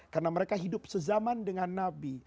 karena mereka hidup sezaman dengan nabi